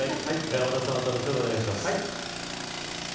天達さんまた後ほど、お願いします。